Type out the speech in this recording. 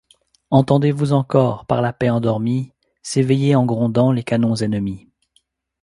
Entendez-vous encor, par la paix endormis, S’éveiller en grondant les canons ennemis ?